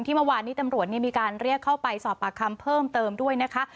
เมื่อวานนี้ตำรวจมีการเรียกเข้าไปสอบปากคำเพิ่มเติมด้วยนะคะ